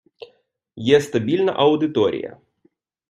Є стабільна аудиторія.